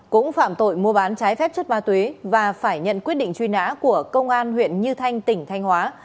cũng phạm tội mua bán trái phép chất ma túy và phải nhận quyết định truy nã của công an huyện như thanh tỉnh thanh hóa